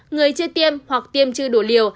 người chưa tiêm hoặc tiêm chưa đủ liều